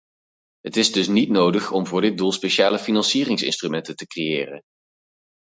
Het is dus niet nodig om voor dit doel speciale financieringsinstrumenten te creëren.